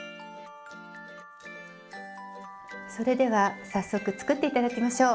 それでは早速作って頂きましょう。